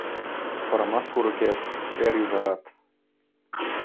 Корамас курыкет - эр ӱжарат